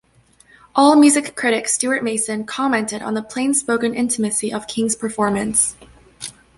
Allmusic critic Stewart Mason commented on the "plainspoken intimacy" of King's performance.